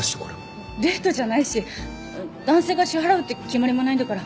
デートじゃないし男性が支払うって決まりもないんだから。